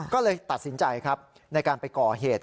ก็เลยตัดสินใจครับในการไปก่อเหตุ